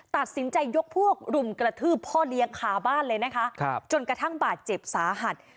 ตัดสินใจยกพวกรุมกระทืบพ่อเลี้ยงคาบ้านเลยนะคะจนกระทั่งบาดเจ็บสาหัส